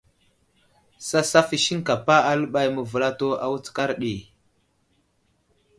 Sasaf i siŋkapa aləɓay məvəlato a wutskar ɗi.